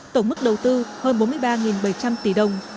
tổng mức đầu tư hơn bốn mươi ba bảy trăm linh tỷ đồng